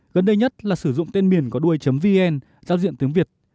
gần đây nhất là sử dụng tên miền có đuôi vn giao diện tiếng việt